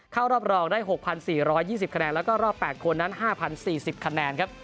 เข้ารอบรองได้๖๔๒๐คะแนนแล้วก็รอบ๘คนนั้น๕๐๔๐คะแนนครับ